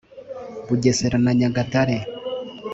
Bugesera na Nyagatare